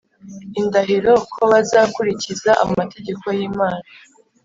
indahiro ko bazakurikiza amategeko y Imana